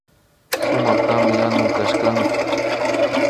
Sumaktami yanun kashkanki